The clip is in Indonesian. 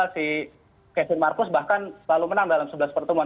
si kevin marcus bahkan selalu menang dalam sebelas pertemuan